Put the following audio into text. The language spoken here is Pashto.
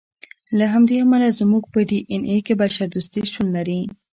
له همدې امله زموږ په ډي اېن اې کې بشر دوستي شتون لري.